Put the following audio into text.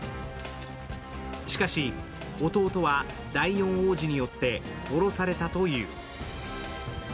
しかし、弟は第４皇子によって殺されたという。